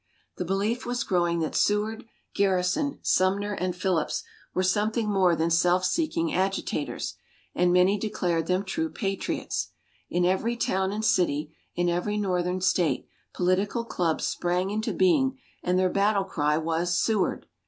The belief was growing that Seward, Garrison, Sumner and Phillips were something more than self seeking agitators, and many declared them true patriots. In every town and city, in every Northern State, political clubs sprang into being and their battle cry was "Seward!"